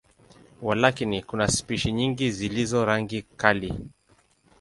Walakini, kuna spishi nyingi zilizo rangi kali.